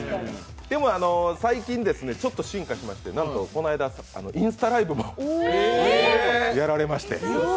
でも最近、ちょっと進化しましてなんとこの間インスタライブもやられまして。